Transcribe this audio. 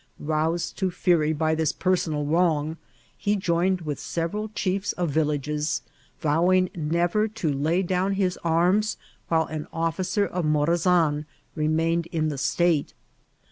Soused to finry by this personal wrong, he joined with several chiefs of villages, vowing never to lay down his arms while an officer of Moraaan remained in the state.